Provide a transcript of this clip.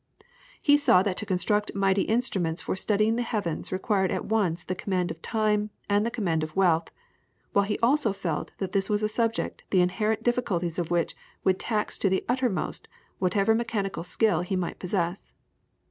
He saw that to construct mighty instruments for studying the heavens required at once the command of time and the command of wealth, while he also felt that this was a subject the inherent difficulties of which would tax to the uttermost whatever mechanical skill he might possess.